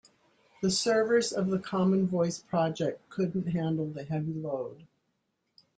The servers of the common voice project couldn't handle the heavy load.